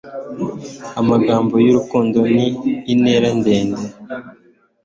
Amagambo y'urukundo n'intera ndende